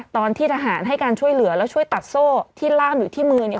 ตอนที่ทหารให้การช่วยเหลือแล้วช่วยตัดโซ่ที่ล่ามอยู่ที่มือเนี่ย